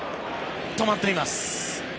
止まっています。